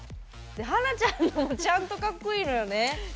華ちゃんのもちゃんと、かっこいいのよね。